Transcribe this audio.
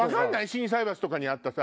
心斎橋とかにあったさ。